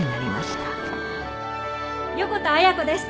横田綾子です。